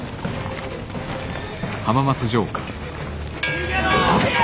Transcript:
逃げろ！